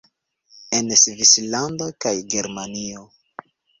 En Svislando kaj Germanio